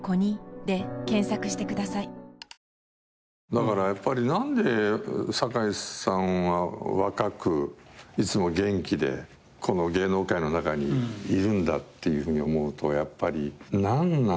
だからやっぱり何で堺さんは若くいつも元気でこの芸能界の中にいるんだっていうふうに思うとやっぱり何なんですかね。